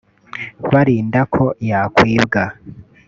barinda ko yakwibwa